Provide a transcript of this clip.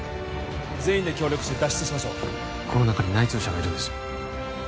全員で協力して脱出しましょうこの中に内通者がいるんですよ